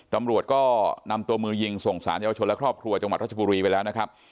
ตำรวจก็นำตัวมือยิงส่งสารเยาวชนและครอบครัวจังหวัดรัชบุรีไปแล้วนะครับ